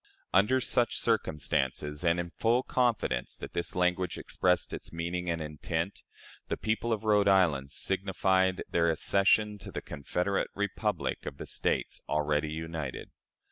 Under such circumstances, and in the "full confidence" that this language expressed its meaning and intent, the people of Rhode Island signified their "accession" to the "Confederate Republic" of the States already united.